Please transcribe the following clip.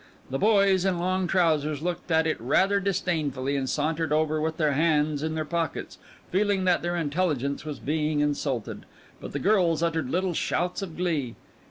The boys in long trousers looked at it rather disdainfully, and sauntered over with their hands in their pockets, feeling that their intelligence was being insulted. But the girls uttered little shouts of glee.